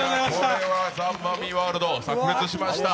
これはザ・マミィワールド、さく裂しました。